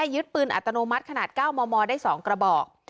ยึดปืนอัตโนมัติขนาด๙มมได้๒กระบอก